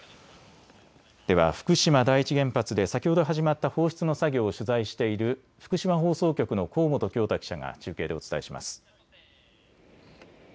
では福島第一原発で先ほど始まった放出の作業を取材している福島放送局の香本響太記者が中継でお伝えします。